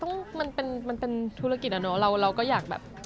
ก็วันนั้นก็คงต้องมันเป็นธุรกิจอะเนอะเราก็อยากแบบ